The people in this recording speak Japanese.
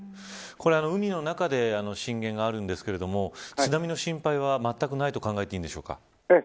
これは海の中に震源があるんですけれども津波の心配はまったくないと考えていいんでしょうか。